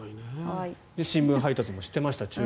新聞配達もしていました。